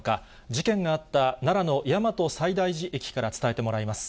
事件があった奈良の大和西大寺駅から伝えてもらいます。